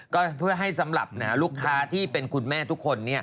ก็เพื่อให้สำหรับลูกค้าที่เป็นคุณแม่ทุกคน